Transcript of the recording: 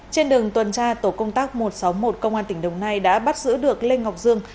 trên đường tuần tra tổ công tác một trăm sáu mươi một công an tỉnh đồng nai đã bắt giữ được lê ngọc dương